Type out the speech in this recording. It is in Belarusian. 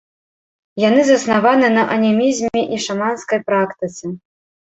Яны заснаваны на анімізме і шаманскай практыцы.